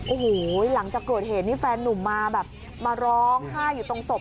โอ้โหหลังจากเกิดเหตุนี่แฟนนุ่มมาแบบมาร้องไห้อยู่ตรงศพ